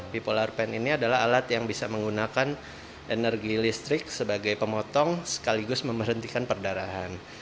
bipolar pen ini adalah alat yang bisa menggunakan energi listrik sebagai pemotong sekaligus memberhentikan perdarahan